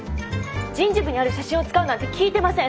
人事部にある写真を使うなんて聞いてません！